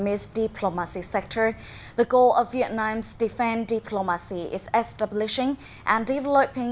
mục tiêu của đối ngoại quốc phòng việt nam là thiết lập và phát triển quan hệ về quốc phòng